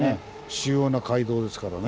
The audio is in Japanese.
主要な街道ですからね。